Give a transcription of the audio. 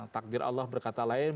takdir allah berkata lain